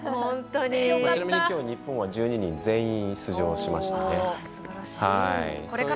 ちなみにきょう日本は１２人全員出場しましたね。